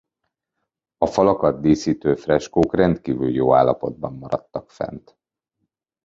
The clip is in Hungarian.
A falakat díszítő freskók rendkívül jó állapotban maradtak fent.